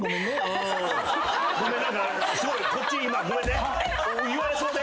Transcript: ごめん何かすごいこっち今ごめんね言われそうで。